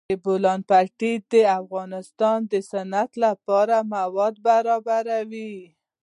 د بولان پټي د افغانستان د صنعت لپاره مواد برابروي.